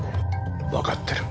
わかってる。